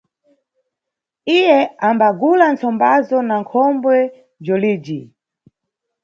Iye ambagula ntsombazo na khombwe Dholijhi.